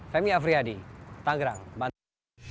femi afriyadi tanggerang bandara